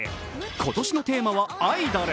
今年のテーマは「アイドル」。